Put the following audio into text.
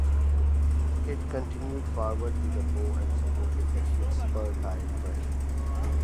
It continued forward to the bow and supported the ship's spur-type ram.